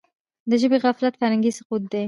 د ژبي غفلت فرهنګي سقوط دی.